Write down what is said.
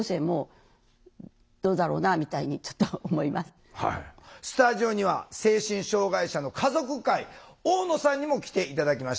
例えばスタジオには精神障害者の家族会大野さんにも来て頂きました。